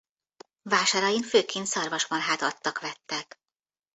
Vásárain főként szarvasmarhát adtak-vettek.